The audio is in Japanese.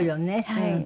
はい。